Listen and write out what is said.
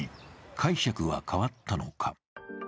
解釈は変わったのか。